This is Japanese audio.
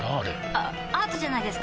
あアートじゃないですか？